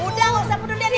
udah gak usah peduliin dia